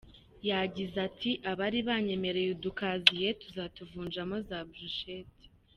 Yagize ati: “abari baranyemereye udukaziye tuzatuvunjamo za brochette.